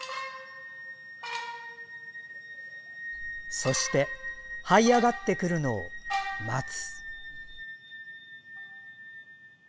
そしてはい上がってくるのを待つ。